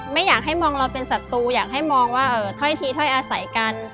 ไม่อยากให้มองเราเป็นศัตรูอยากให้มองว่าถ้อยทีถ้อยอาศัยกัน